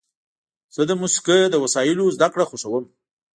زه د موسیقۍ د وسایلو زدهکړه خوښوم.